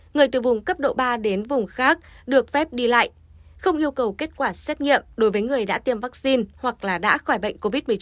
người từ vùng cấp độ ba đến vùng khác được phép đi lại không yêu cầu kết quả xét nghiệm đối với người đã tiêm vaccine hoặc là đã khỏi bệnh covid một mươi chín